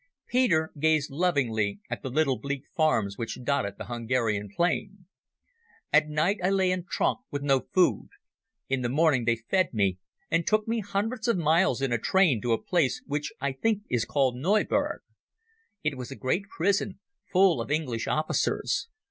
Peter gazed lovingly at the little bleak farms which dotted the Hungarian plain. "All night I lay in tronk with no food. In the morning they fed me, and took me hundreds of miles in a train to a place which I think is called Neuburg. It was a great prison, full of English officers